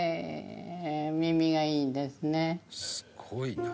「すごいな」